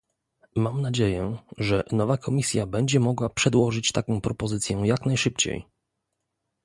Mam nadzieję, że nowa Komisja będzie mogła przedłożyć taką propozycję jak najszybciej